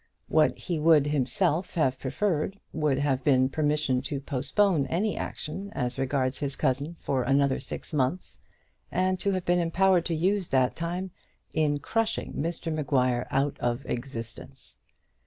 What he would himself have preferred would have been permission to postpone any action as regards his cousin for another six months, and to have been empowered to use that time in crushing Mr Maguire out of existence.